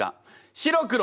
白黒。